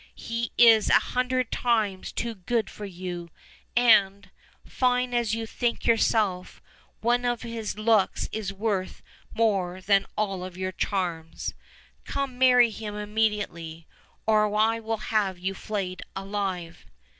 He is a hundred times too good for you; and, fine as you think yourself, one of his looks is worth more than all your charms. Come, marry him immediately, or I will have you flayed alive."